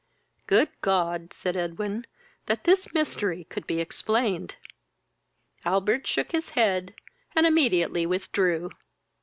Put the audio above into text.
"Good God! (said Edwin,) that this mystery could be explained!" Albert shook his head, and immediately withdrew.